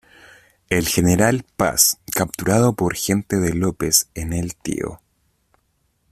El general Paz, capturado por gente de López en el Tío.